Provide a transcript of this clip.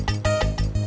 gak usah bayar